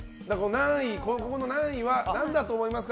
ここの何位は何だと思いますか？